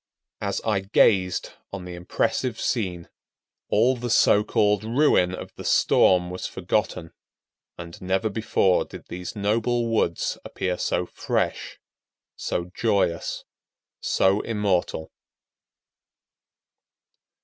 As I gazed on the impressive scene, all the so called ruin of the storm was forgotten, and never before did these noble woods appear so fresh, so joyous, so immortal.